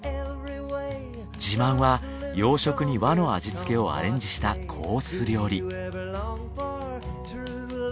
自慢は洋食に和の味つけをアレンジしたコース料理。